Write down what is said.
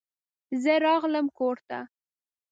زه راغلم کور ته.